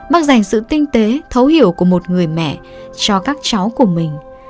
bác dành sự tinh tế thấu hiểu của một người mẹ cho các cháu của mình